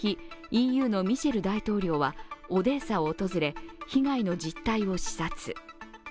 同じ日、ＥＵのミシェル大統領はオデーサを訪れ、被害の実態を視察